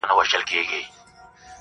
له نړۍ څخه يې بېل وه عادتونه!!